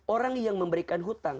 orang yang memberikan hutang